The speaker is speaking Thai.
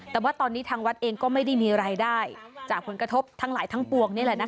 แต่ว่าตอนนี้ทางวัดเองก็ไม่ได้มีรายได้จากผลกระทบทั้งหลายทั้งปวงนี่แหละนะคะ